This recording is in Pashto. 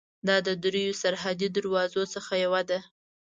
دا د درېیو سرحدي دروازو څخه یوه ده.